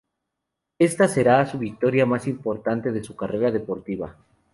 Esta será su victoria más importante de su carrera deportiva.